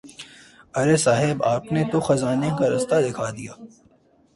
ارے صاحب آپ نے تو خزانے کا راستہ دکھا دیا۔